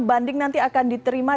banding nanti akan diterima